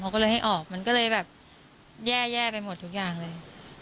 เขาก็เลยให้ออกมันก็เลยแบบแย่ไปหมดทุกอย่างเลย